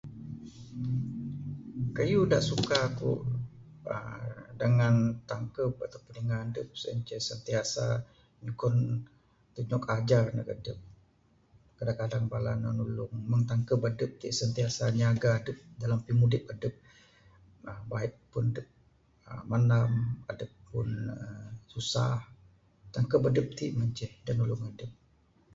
Kayuh da suka aku uhh dengan tangkeb ataupun dingan adep uhh sien inceh setiasa nyugon tunjuk ajar neg adep. Kadang kadang bala ne nulung tangkeb adep ti sentiasa nyaga adep dalam pimudip adep ah baik pun adep uhh manam ataupun uhh susah tangkeb adep ti manceh da nulung adep.